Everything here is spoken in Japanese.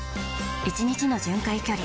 １日の巡回距離